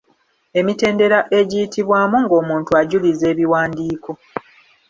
Emitendera egiyitibwamu ng’omuntu ajuliza ebiwandiiko